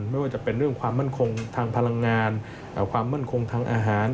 ไม่ว่าจะเป็นเรื่องความมั่นคงทางพลังงานความมั่นคงทางอาหาร